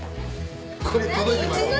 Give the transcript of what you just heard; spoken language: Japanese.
これ届いてました。